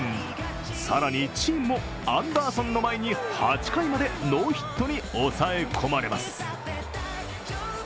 更に、チームもアンダーソンの前に８回までノーヒットに抑え込まれます。